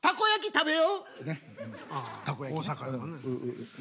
食べよ。